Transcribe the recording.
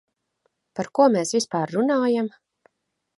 Par ko mēs vispār runājam?